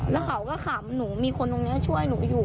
แล้วเขาก็ขำหนูมีคนตรงนี้ช่วยหนูอยู่